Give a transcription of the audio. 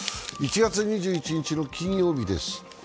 １月２１日金曜日です。